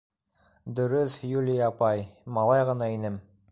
— Дөрөҫ, Юлия апай, малай ғына инем.